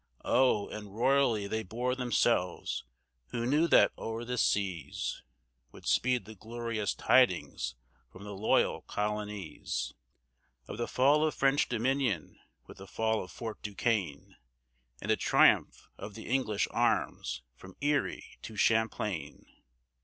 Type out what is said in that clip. Oh, and royally they bore themselves who knew that o'er the seas Would speed the glorious tidings from the loyal colonies, Of the fall of French dominion with the fall of Fort Duquesne, And the triumph of the English arms from Erie to Champlain.